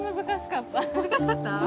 難しかった？